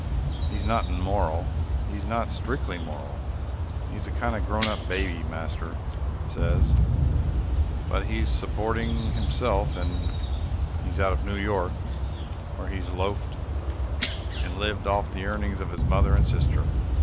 He's not immoral, and not strictly moral. He's a kind of grown up baby, master says, but he's supporting himself, and he's out of New York, where he loafed and lived off the earnings of his mother and sister.